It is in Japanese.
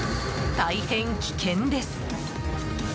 大変危険です。